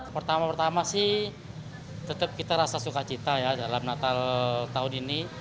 pertama pertama sih tetap kita rasa sukacita ya dalam natal tahun ini